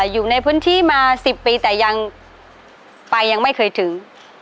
อยู่ในพื้นที่มา๑๐ปีแต่ยังไปยังไม่เคยถึง